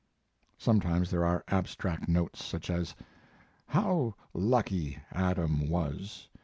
Sometimes there are abstract notes such as: How lucky Adam was.